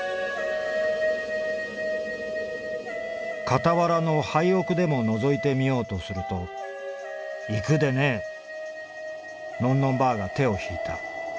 「かたわらの廃屋でものぞいてみようとすると『行くでねえ』のんのんばあが手を引いた。